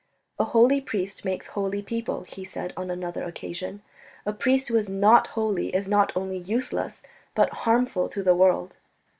"A holy priest makes holy people," he said on another occasion; "a priest who is not holy is not only useless but harmful to the world."